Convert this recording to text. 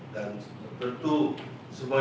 dan tentu semua ini